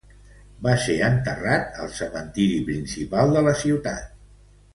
Va ser enterrat al cementiri principal de la ciutat.